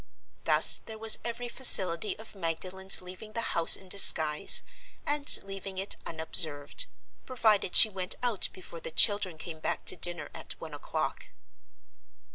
Thus there was every facility for Magdalen's leaving the house in disguise, and leaving it unobserved, provided she went out before the children came back to dinner at one o'clock.